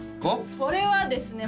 それはですね